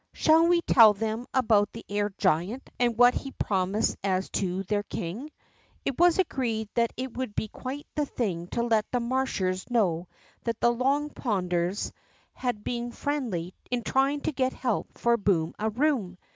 Shall we tell them about the air giant, and what he promised as to their king? " It was agreed that it would he quite the thing to let the Marshers know that the Long Ponders 50 THE EAGLE'S NEST 51 had been friendly in trying to get help for Boom a Room.